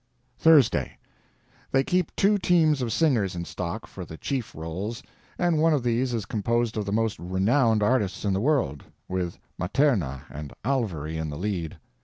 THURSDAY.—They keep two teams of singers in stock for the chief roles, and one of these is composed of the most renowned artists in the world, with Materna and Alvary in the lead.